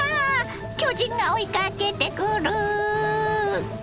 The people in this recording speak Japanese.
巨人が追いかけてくる！